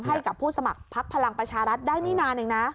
ให้กับผู้สมัครพักพลังประชารัฐได้นี่นานเองนะ